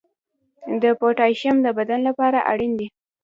د پوتاشیم د بدن لپاره اړین دی.